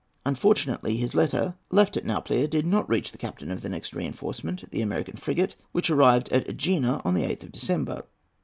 Unfortunately, his letter, left at Nauplia, did not reach the captain of the next reinforcement, the American frigate, which arrived at Egina on the 8th of December.